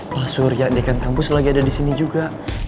pak surya dekan kampus lagi ada disini juga